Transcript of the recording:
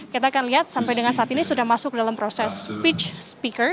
kita akan lihat sampai dengan saat ini sudah masuk dalam proses speech speaker